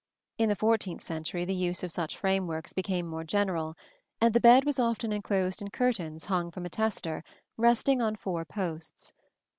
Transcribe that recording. In the fourteenth century the use of such frameworks became more general, and the bed was often enclosed in curtains hung from a tester resting on four posts.